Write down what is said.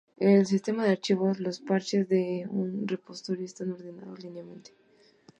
En el sistema de archivos, los parches de un repositorio están ordenados linealmente.